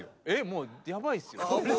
もうやばいっすよ。